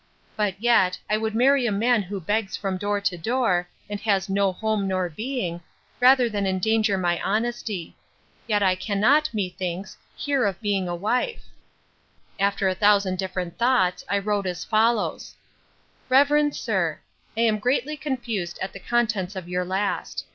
But yet, I would marry a man who begs from door to door, and has no home nor being, rather than endanger my honesty. Yet I cannot, methinks, hear of being a wife.—After a thousand different thoughts, I wrote as follows: 'REVEREND SIR, 'I am greatly confused at the contents of your last.